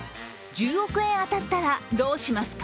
１０億円当たったら、どうしますか？